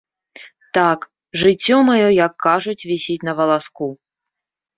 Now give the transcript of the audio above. Так, жыццё маё, як кажуць, вісіць на валаску.